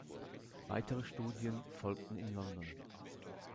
Weitere Studien folgten in London.